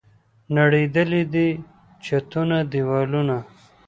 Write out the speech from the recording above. نړېدلي دي چتونه، دیوالونه